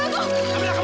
kamu dengerin aku